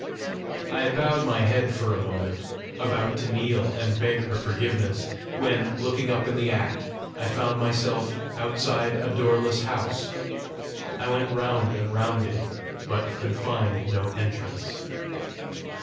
I had bowed my head for a moment, about to kneel and beg her forgiveness, when, looking up in the act, I found myself outside a doorless house. I went round and round it, but could find no entrance.